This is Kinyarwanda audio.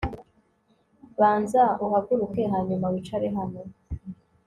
Banza uhaguruke hanyuma wicare hano